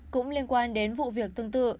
cũng liên quan đến vụ việc tương tự